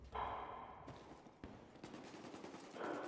Estudió Periodismo en la Pontificia Universidad Católica de Chile.